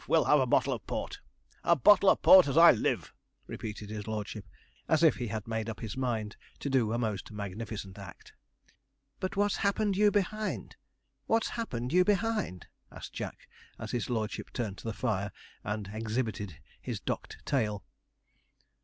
we'll have a bottle of port a bottle of port, as I live,' repeated his lordship, as if he had made up his mind to do a most magnificent act. 'But what's happened you behind? what's happened you behind?' asked Jack, as his lordship turned to the fire, and exhibited his docked tail.